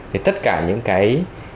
thì tất cả những cái